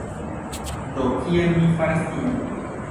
Do kial mi faras tion?